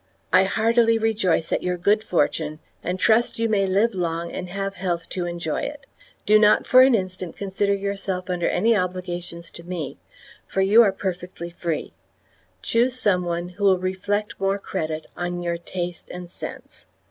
I heartily rejoice at your good fortune, and trust you may live long and have health to enjoy it. Do not for an instant consider yourself under any obligations to me, for you are perfectly free. Choose some one who will reflect more credit on your taste and sense.